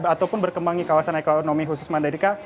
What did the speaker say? ataupun berkembang di kawasan ekonomi khusus mandalika